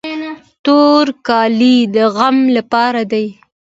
تور کالي د غم لپاره دي.